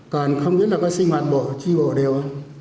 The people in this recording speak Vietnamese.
còn không nhất là có sinh hoạt tri bộ đều